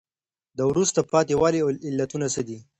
د وروسته پاتي والي علتونه څه دي؟